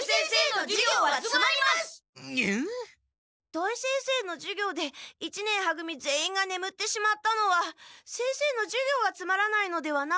土井先生の授業で一年は組全員がねむってしまったのは先生の授業がつまらないのではなく。